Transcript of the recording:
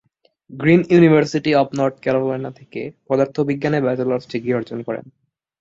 Green university of North Carolina থেকে পদার্থবিজ্ঞানে bachelor's degree অর্জন করেন।